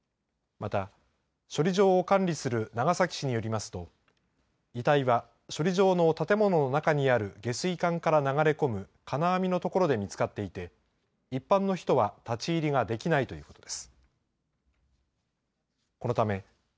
また、処理場を管理する長崎市によりますと遺体は、処理場の建物の中にある下水管から流れ込む金網の所で見つかっていて一般の人は立ち入りができないということです。